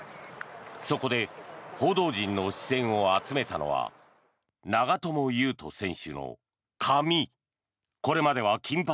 そこで報道陣の視線を集めたのは長友佑都選手の髪。